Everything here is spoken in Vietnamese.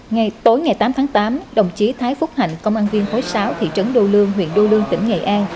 ngày tối ngày tám tháng tám đồng chí thái phúc hạnh công an viên khối sáu thị trấn đô lương huyện đô lương tỉnh nghệ an